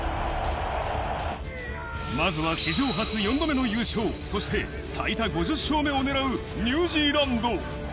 まずは史上初４度目の優勝、そして最多５０勝目を狙うニュージーランド。